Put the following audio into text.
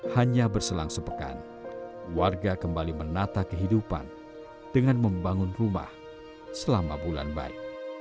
hanya berselang sepekan warga kembali menata kehidupan dengan membangun rumah selama bulan baik